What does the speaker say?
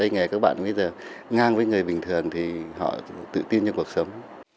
nghe các bạn ngang với người bình thường thì họ tự tin cho cuộc sống